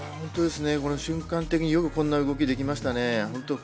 瞬間的によくこんな動きができましたね。